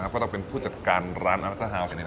เพราะเราเป็นผู้จัดการร้านนัตราฮาว